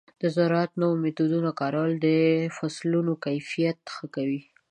د زراعت د نوو میتودونو کارول د فصلونو کیفیت ښه کوي.